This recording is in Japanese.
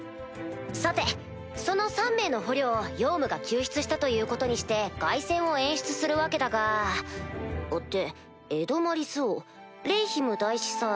さてその３名の捕虜をヨウムが救出したということにして凱旋を演出するわけだが。ってエドマリス王レイヒム大司祭